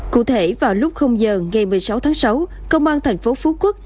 cụ thể vào lúc giờ ngày một mươi sáu tháng sáu công an thành phố phú quốc